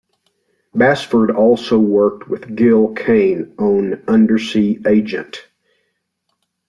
Bassford also worked with Gil Kane on "Undersea Agent".